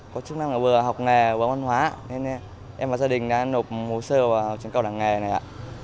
có chức năng là vừa học nghề vừa văn hóa nên em và gia đình đã nộp hồ sơ vào trường cao đẳng nghề này ạ